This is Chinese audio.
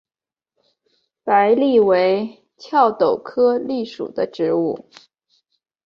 白栎为壳斗科栎属的植物。